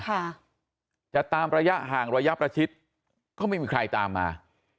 ค่ะจะตามระยะห่างระยะประชิดก็ไม่มีใครตามมา